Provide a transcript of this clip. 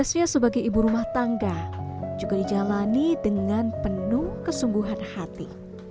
tugasnya sebagai ibu rumah tangga juga dijalani dengan penuh kesungguhan hati